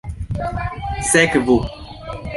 sekvu